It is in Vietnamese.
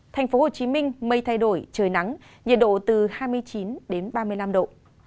thành phố hồ chí minh mây thay đổi trời nắng nhiệt độ từ hai mươi chín đến ba mươi năm độ